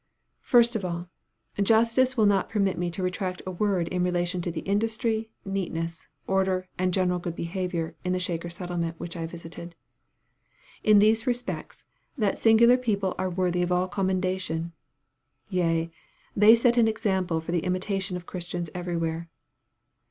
First of all, justice will not permit me to retract a word in relation to the industry, neatness, order, and general good behavior, in the Shaker settlement which I visited. In these respects, that singular people are worthy of all commendation yea, they set an example for the imitation of Christians everywhere.